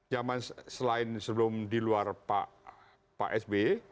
zaman selain sebelum di luar pak sb